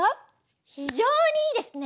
非常にいいですね！